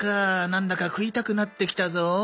なんだか食いたくなってきたぞ。